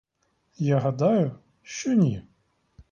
Я гадаю, що ні.